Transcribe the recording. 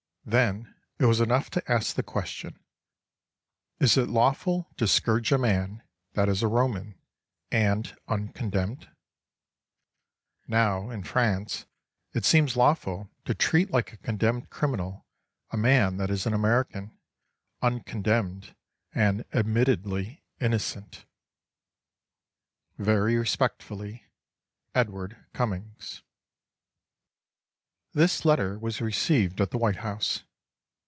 Then it was enough to ask the question, "Is it lawful to scourge a man that is a Roman, and uncondemned?" Now, in France, it seems lawful to treat like a condemned criminal a man that is an American, uncondemned and admittedly innocent! Very respectfully, EDWARD CUMMINGS This letter was received at the White House.